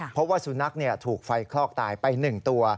เพราะว่าสุนัขถูกไฟคลอกตายไป๑ตัว